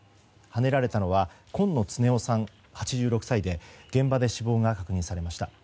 はねられたのは昆野常夫さん、８６歳で現場で死亡が確認されました。